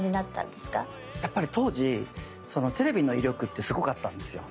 やっぱり当時テレビの威力ってすごかったんですよ。